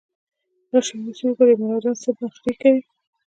راشئ اوس يې ګورئ ملا جان چې څه نخروې کوي